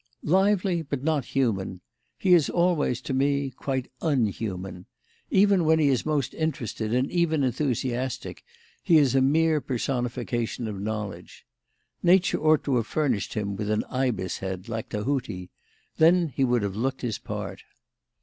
"Lively, but not human. He is always, to me, quite unhuman. Even when he is most interested, and even enthusiastic, he is a mere personification of knowledge. Nature ought to have furnished him with an ibis' head like Tahuti; then he would have looked his part."